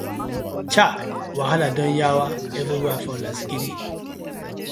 Chei, wahala don yawa everywhere for lasgidi.